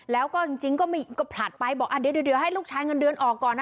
แล้วก็จริงก็ผลัดไปบอกเดี๋ยวให้ลูกชายเงินเดือนออกก่อนนะ